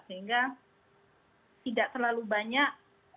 sehingga tidak terlalu banyak